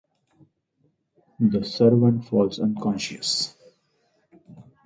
The servant falls unconscious.